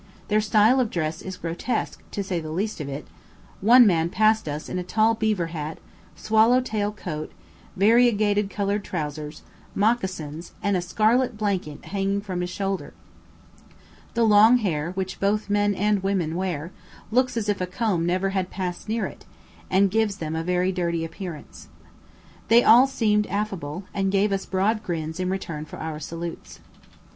Their style of dress is grotesque, to say the least of it; one man passed us in a tall beaver hat, swallow tail coat, variegated coloured trousers, mocassins, and a scarlet blanket hanging from his shoulder. The long hair, which both men and women wear, looks as if a comb never had passed near it, and gives them a very dirty appearance. They all seemed affable, and gave us broad grins in return for our salutes.